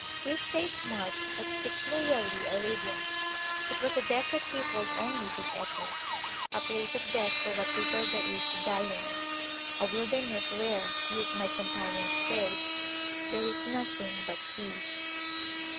This days march was peculiarly Arabia. It was a desert peopled only with echoes,a place of death for what little there is to die in it,a wilderness where, to use my companions phrase, there is nothing but He.